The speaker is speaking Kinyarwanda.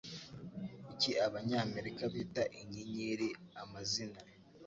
Iki Abanyamerika bita inyenyeri amazina